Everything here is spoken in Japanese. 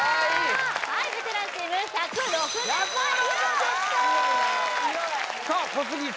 はいベテランチーム１６０ポイント１６０点！